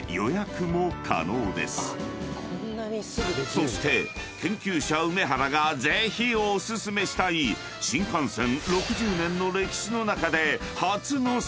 ［そして研究者梅原がぜひお薦めしたい新幹線６０年の歴史の中で初のサービスが］